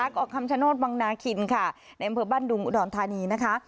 เกาะคำชโนธวังนาคินค่ะในอำเภอบ้านดุงอุดรธานีนะคะ